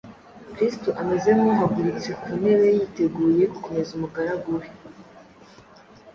Kristo ameze nk’uhagurutse ku ntebe yiteguye gukomeza umugaragu we.